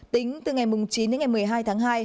tính từ ngày chín đến ngày một mươi hai tháng hai